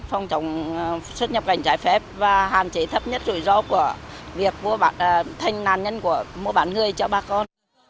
phòng trọng xuất nhập cảnh trái phép và hàn chế thấp nhất rủi ro của việc thành nàn nhân của mỗi bản người cho bà con